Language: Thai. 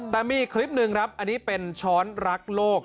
แต่มีอีกคลิปหนึ่งครับอันนี้เป็นช้อนรักโลก